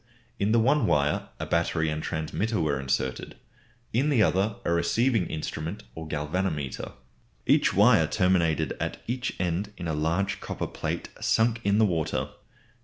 In the one wire a battery and transmitter were inserted, in the other a receiving instrument or galvanometer. Each wire terminated at each end in a large copper plate sunk in the water.